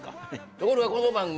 ところがこの番組。